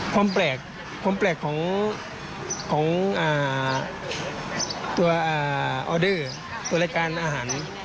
ความแปลกของตัวออเดอร์ตัวรายการอาหาร